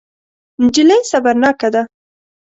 نجلۍ صبرناکه ده.